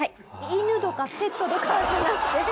犬とかペットとかじゃなくて？